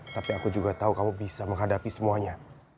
tapi aku juga tahu kamu bisa menghadapi semuanya